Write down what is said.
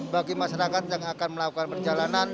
bagi masyarakat yang akan melakukan perjalanan